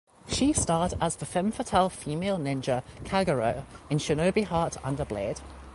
She starred as the femme fatale female ninja Kagero in "Shinobi Heart Under Blade".